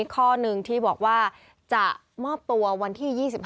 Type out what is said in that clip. ข้อหนึ่งที่บอกว่าจะมอบตัววันที่๒๕